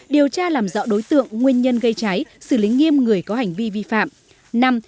điều tra làm rõ đối tượng nguyên nhân gây cháy xử lý nghiêm người có hành vi vi phạm